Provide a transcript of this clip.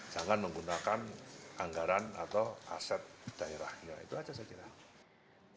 jangan menggunakan anggaran atau aset daerahnya itu saja saja